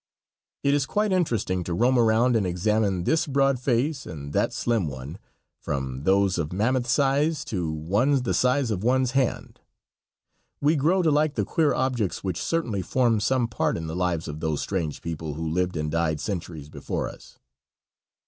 It is quite interesting to roam around and examine this broad face and that slim one, from those of mammoth size to ones the size of one's hand. We grow to like the queer objects which certainly formed some part in the lives of those strange people who lived and died centuries before us.